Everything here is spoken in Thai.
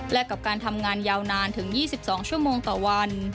และกับการทำงานยาวนานถึง๒๒ชั่วโมงต่อวัน